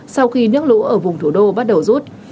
sau khi nước lũ ở vùng thủ đô bắt đầu rút